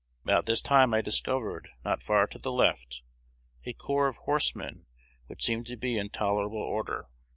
About this time I discovered not far to the left, a corps of horsemen which seemed to be in tolerable order.